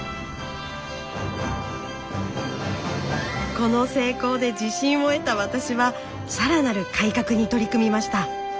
この成功で自信を得た私は更なる改革に取り組みました。